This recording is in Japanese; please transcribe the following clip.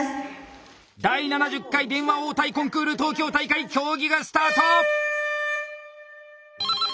第７０回電話応対コンクール東京大会競技がスタート！